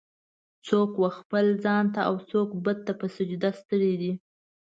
"څوک و خپل ځان ته اوڅوک بت ته په سجده ستړی دی.